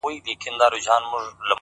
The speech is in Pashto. زه به د څو شېبو لپاره نور _